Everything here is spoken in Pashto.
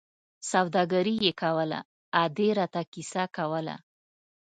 سوداګري یې کوله، ادې را ته کیسه کوله.